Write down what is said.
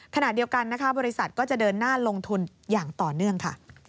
ขณะเดียวกันนะคะบริษัทก็จะเดินหน้าลงทุนอย่างต่อเนื่องค่ะ